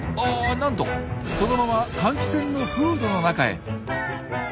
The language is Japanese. なんとそのまま換気扇のフードの中へ！